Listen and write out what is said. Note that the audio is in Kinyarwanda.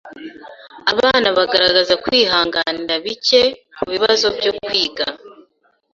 Abana bagaragaza kwihanganira bike kubibazo byo kwiga.